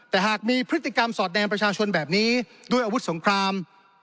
แต่หากมีพฤติกรรมสอดแดงประชาชนแบบนี้ด้วยอาวุธสงคราม